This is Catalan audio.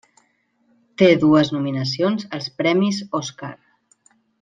Té dues nominacions als Premis Oscar.